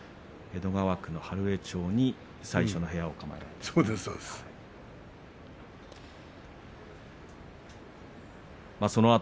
江戸川区の春江町に最初の部屋を構えた北の富士さんです。